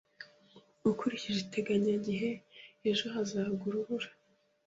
Ukurikije iteganyagihe, ejo hazagwa urubura.